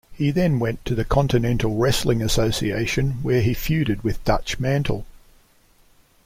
He then went to the Continental Wrestling Association where he feuded with Dutch Mantel.